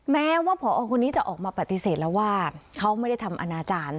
แม้ว่าผอคนนี้จะออกมาปฏิเสธแล้วว่าเขาไม่ได้ทำอนาจารย์